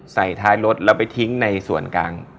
ใส่ท้ายรถแล้วไปทิ้งในส่วนกลาง